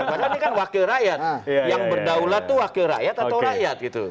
karena ini kan wakil rakyat yang berdaulat tuh wakil rakyat atau rakyat gitu